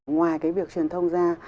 ngoài cái việc truyền thông ra